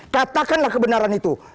katakanlah kebenaran itu